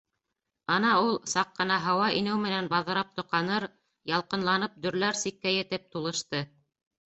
Ана ул саҡ ҡына һауа инеү менән баҙрап тоҡаныр, ялҡынланып дөрләр сиккә етеп тулышты.